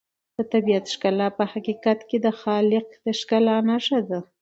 د طبیعت ښکلا په حقیقت کې د خالق د ښکلا نښه ده.